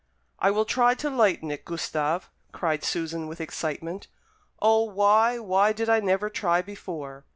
"I will try to lighten it, Gustave," cried Susan, with excitement. "O, why, why did I never try before!